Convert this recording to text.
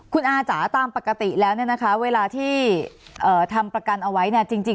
คุณอาร์จ๋าตามปกติแล้วเวลาที่ทำประกันเอาไว้